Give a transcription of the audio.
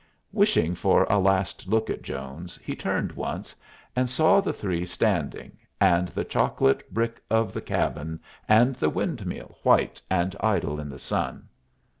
Wishing for a last look at Jones, he turned once, and saw the three standing, and the chocolate brick of the cabin, and the windmill white and idle in the sun.